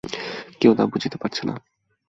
কেউ তা বুঝতে পারছে না।